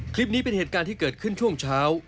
คลิปนี้เป็นเหตุการณ์ที่เกิดขึ้นช่วงเช้า